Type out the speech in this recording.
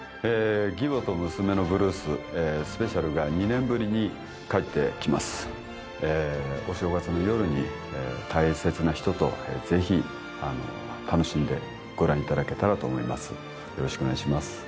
義母と娘のブルーススペシャルが２年ぶりに帰ってきますお正月の夜に大切な人とぜひ楽しんでご覧いただけたらと思います